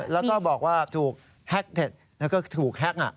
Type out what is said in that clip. แล้วก็บอกว่าถูกแฮ็กเท็จแล้วก็ถูกแฮ็ก